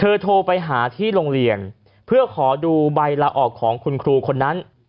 โทรไปหาที่โรงเรียนเพื่อขอดูใบละออกของคุณครูคนนั้น